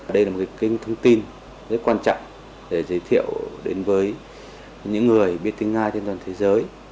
đây là một kênh thông tin rất quan trọng để giới thiệu đến với những người biết tiếng nga trên toàn thế giới